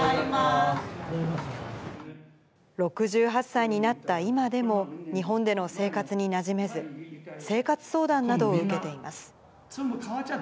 ６８歳になった今でも、日本での生活になじめず、生活相談などを受けています。